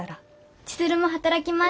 千鶴も働きます。